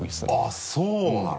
あっそうなの？